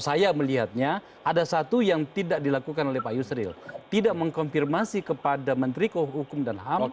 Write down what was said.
saat itu untuk melakukan pengetatan